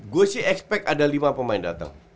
gue sih expect ada lima pemain datang